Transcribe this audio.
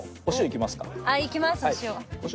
いきますお塩。